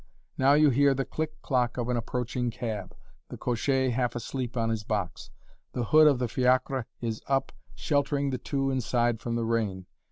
Now you hear the click clock of an approaching cab, the cocher half asleep on his box. The hood of the fiacre is up, sheltering the two inside from the rain.